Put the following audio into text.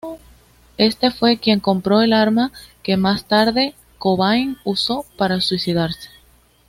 Este fue quien compró el arma que más tarde Cobain usó para suicidarse.